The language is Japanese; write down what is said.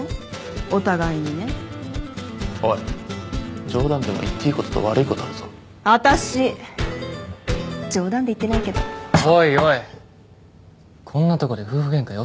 お互いにねおい冗談でも言っていいことと悪いことあるぞ私冗談で言ってないけどおいおいこんなとこで夫婦ゲンカよ